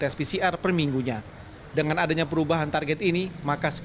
tersebut masih berjumlah dua puluh lima tes pcr perminggu dengan adanya perubahan target ini maka sepuluh